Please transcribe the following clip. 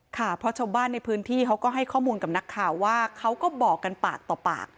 ค่ะเพราะชาวบ้านในพื้นที่เขาก็ให้ข้อมูลกับนักข่าวว่าเขาก็บอกกันปากต่อปาก